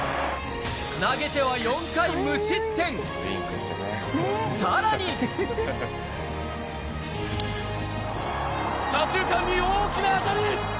投げてはさらに左中間に大きな当たり。